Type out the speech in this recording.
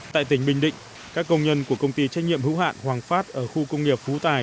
tại tỉnh bình định các công nhân của công ty trách nhiệm hữu hạn hoàng phát ở khu công nghiệp phú tài